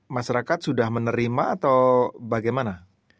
masyarakat sudah menerima atau bagaimana